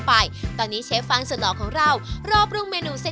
ไปตอนนี้เชฟฟังสุดหล่อของเรารอบปรุงเมนูเส้น